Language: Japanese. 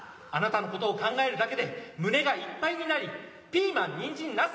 あなたのことを考えるだけで胸がいっぱいになりピーマンにんじん